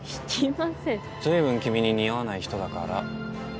随分君に似合わない人だから。